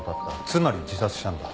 つまり自殺したんだ。